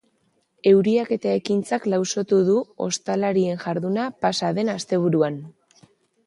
Euriak eta ekaitzak lausotu du ostalarien jarduna pasa den asteburuan.